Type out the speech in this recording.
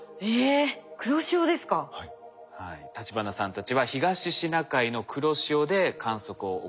立花さんたちは東シナ海の黒潮で観測を行いました。